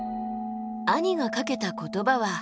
兄がかけた言葉は。